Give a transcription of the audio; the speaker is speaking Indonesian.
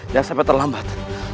jangan sampai terlambat